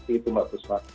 itu mbak fusfa